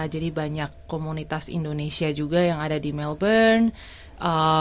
jadi banyak komunitas indonesia juga yang ada di melbourne